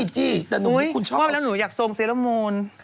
จี้แต่หนูนี้คุณชอบกว่าว่าไปแล้วหนูอยากทรงเซลล่ามูน